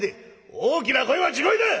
「大きな声は地声だ！」。